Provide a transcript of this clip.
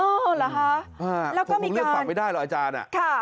เออหรอฮะแล้วก็มีการคงเลือกฝั่งไม่ได้หรออาจารย์อ่ะ